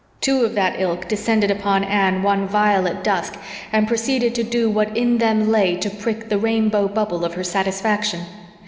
Two of that ilk descended upon Anne one violet dusk and proceeded to do what in them lay to prick the rainbow bubble of her satisfaction.